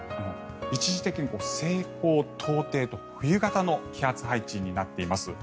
一時的に西高東低と冬型の気圧配置になっています。